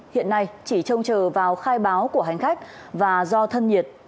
hiện nay chỉ trông chờ vào khai báo của hành khách và do thân nhiệt